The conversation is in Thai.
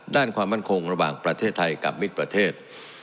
ด้านความมั่นคงระหว่างประเทศไทยกับมิตรประเทศ